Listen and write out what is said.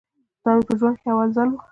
دا مې په ژوند کښې اول ځل و.